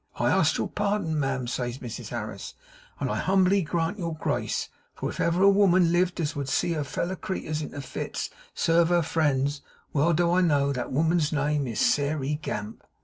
"I ast your pardon, ma'am," says Mrs Harris, "and I humbly grant your grace; for if ever a woman lived as would see her feller creeturs into fits to serve her friends, well do I know that woman's name is Sairey Gamp."